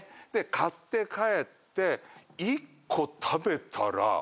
買って帰って１個食べたら。